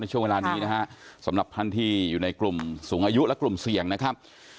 ช่วงเวลานี้นะฮะสำหรับท่านที่อยู่ในกลุ่มสูงอายุและกลุ่มเสี่ยงนะครับ